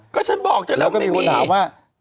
ก็ฉันบอกเจอแล้วไม่มีแล้วก็มีคนถามว่า